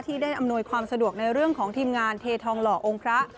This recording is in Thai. ได้อำนวยความสะดวกในเรื่องของทีมงานเททองหล่อองค์พระ